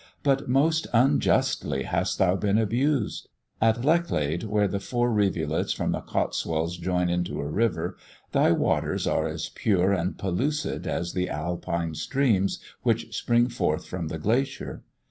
But most unjustly hast thou been abused. At Lechlade where the four rivulets from the Cotswolds join into a river, thy waters are as pure and pellucid as the Alpine streams which spring forth from the glacier.